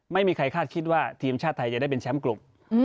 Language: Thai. ไม่มีใครคาดคิดว่าทีมชาติไทยจะได้เป็นแชมป์กลุ่ม